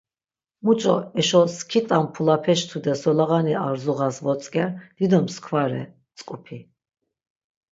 Muç̌o eşo skit̆a mp̌ulapeş tude solağanoni ar zuğas votzk̆er, dido mskva re mtzk̆upi.